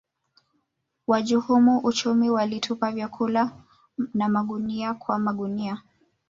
wahujumu uchumi walitupa vyakula magunia kwa magunia